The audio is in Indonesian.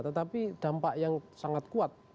tetapi dampak yang sangat kuat